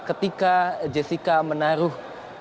ketika jessica menaruh